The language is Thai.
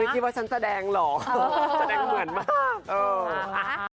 ทำไมคิดว่าฉันแสดงเหล่อแสดงเหมือนมาก